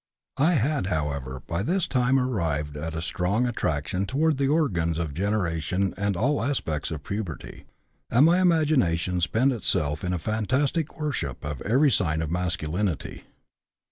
"I had, however, by this time arrived at a strong attraction toward the organs of generation and all aspects of puberty, and my imagination spent Itself in a fantastic worship of every sign of masculinity.